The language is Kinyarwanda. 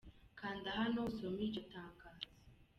Kanda hano usome iryo tangazo :